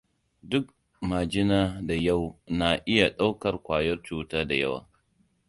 Duk majina da yau na iya ɗaukar kwayar cuta da yawa.